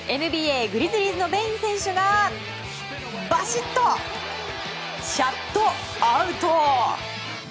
ＮＢＡ、グリズリーズのベイン選手が、バシッとシャットアウト！